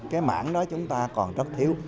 cái mảng đó chúng ta còn rất thiếu